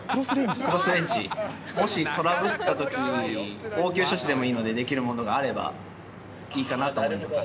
もしトラブったとき、応急処置でもいいので、できるものがあればいいかなと思います。